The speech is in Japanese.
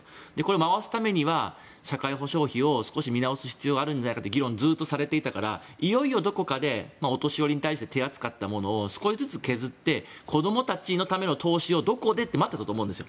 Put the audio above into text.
回すためには社会保障費を見直す必要があるんじゃないかという議論がされているからいよいよどこかでお年寄りに対してて扱ったものを少しずつ削って子どもたちのための投資をどこでって待っていたと思うんですよ。